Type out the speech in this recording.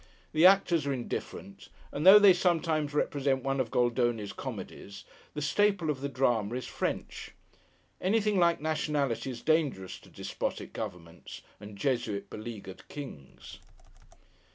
The actors are indifferent; and though they sometimes represent one of Goldoni's comedies, the staple of the Drama is French. Anything like nationality is dangerous to despotic governments, and Jesuit beleaguered kings.